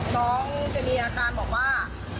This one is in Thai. น้องจะมีอาการบอกว่า